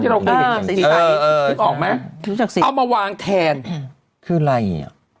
เรื่อ